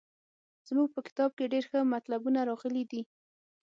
زموږ په کتاب کې ډېر ښه مطلبونه راغلي دي.